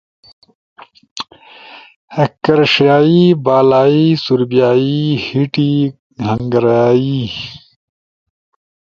کرشیائی، بالائی سوربیائی، ہیٹی، ہنگاریائی